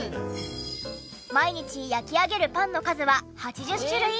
毎日焼き上げるパンの数は８０種類以上。